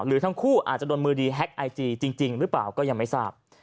ทั้งคู่อาจจะโดนมือดีแฮ็กไอจีจริงหรือเปล่าก็ยังไม่ทราบ